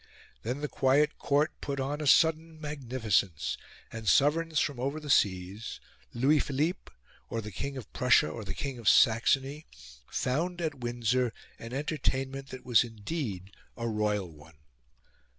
Then the quiet Court put on a sudden magnificence, and sovereigns from over the seas Louis Philippe, or the King of Prussia, or the King of Saxony found at Windsor an entertainment that was indeed a royal one.